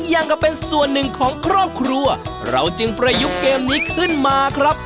ยังก็เป็นส่วนหนึ่งของครอบครัวเราจึงประยุกต์เกมนี้ขึ้นมาครับ